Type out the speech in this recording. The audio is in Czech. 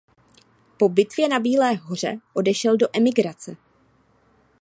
Po bitvě na Bílé hoře odešel do emigrace.